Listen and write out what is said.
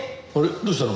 どうしたの？